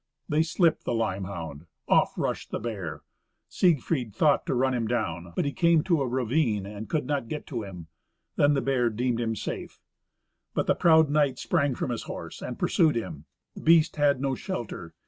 They slipped the limehound; off rushed the bear. Siegfried thought to run him down, but he came to a ravine, and could not get to him; then the bear deemed him safe. But the proud knight sprang from his horse, and pursued him. The beast had no shelter.